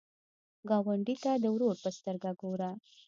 ګاونډي ته د ورور په سترګه وګوره